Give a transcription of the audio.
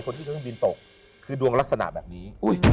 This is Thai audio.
ที่เครื่องบินตกคือดวงลักษณะแบบนี้